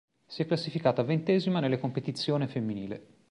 Si è classificata ventesima nelle competizione femminile.